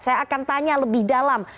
saya akan tanya lebih dalam